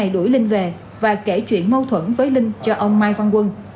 để chuyển mâu thuẫn với linh cho ông mai văn quân